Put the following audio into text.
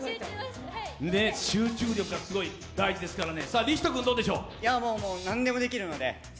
集中力がすごい、大事ですからね。